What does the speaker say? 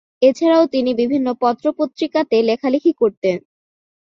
এছাড়াও তিনি বিভিন্ন পত্র-পত্রিকাতে লেখালেখি করতেন।